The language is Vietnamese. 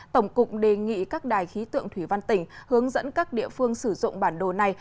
tổng cục đề nghị các đài khí tượng thủy văn tỉnh hướng dẫn các địa phương sử dụng bản đồ này